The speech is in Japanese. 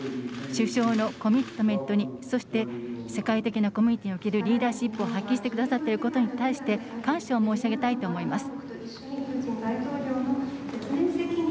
首相のコミットメントに、そして世界的なコミュニティーにおけるリーダーシップを発揮していただいていることに対して感謝を申し上げたいと思います。